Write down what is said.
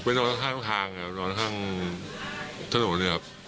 พี่มาอยู่นานข้างซะโน่น